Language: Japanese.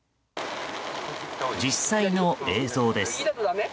実際の映像です。